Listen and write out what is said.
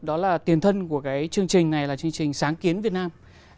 đó là tiền thân của cái chương trình này là chương trình sáng kiến việt nam hai nghìn chín